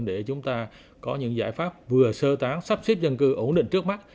để chúng ta có những giải pháp vừa sơ tán sắp xếp dân cư ổn định trước mắt